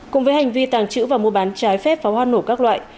cùng với hành vi tàng trữ và mua bán trái phép pháo hoa nổ các loại